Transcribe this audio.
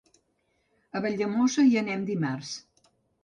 A Valldemossa hi anem dimarts.